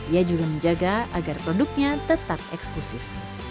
ia juga menjaga agar produknya tetap eksklusif